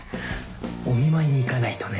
お見舞いに行かないとね。